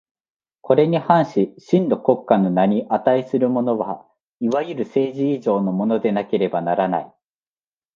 これに反し真の国家の名に価するものは、いわゆる政治以上のものでなければならない。